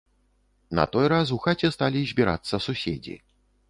На той раз у хаце сталі збірацца суседзі.